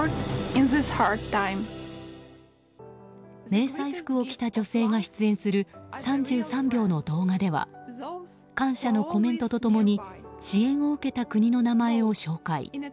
迷彩服を着た女性が出演する３３秒の動画では感謝のコメントと共に支援を受けた国の名前を紹介。